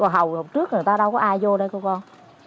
hầu hộp trước người ta đâu có ai vô đây cô con